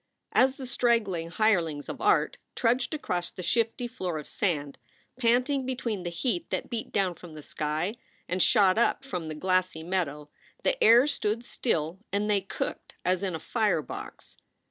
As the straggling hirelings of art trudged across the shifty floor of sand, panting between the heat that beat down from the sky and shot up from the glassy meadow, the air stood still and they cooked as in a fire box.